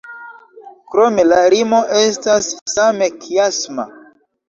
Krome la rimo estas same kiasma.